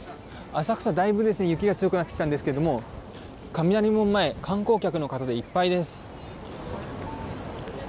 浅草は、だいぶ雪が強くなってきたんですが雷門前観光客の方でいっぱいです。